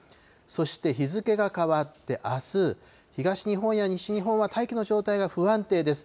そして、日付が変わってあす、東日本や西日本は大気の状態が不安定です。